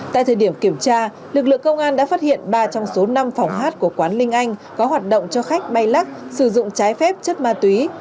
tại thời điểm kiểm tra lực lượng công an đã phát hiện ba trong số năm phòng hát của quán linh anh có hoạt động cho khách bay lắc sử dụng trái phép chất ma túy